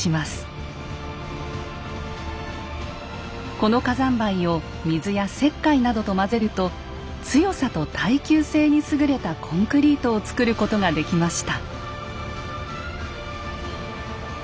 この火山灰を水や石灰などと混ぜると強さと耐久性に優れたコンクリートを作ることができました。